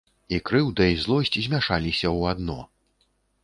І крыўда і злосць змяшаліся ў адно.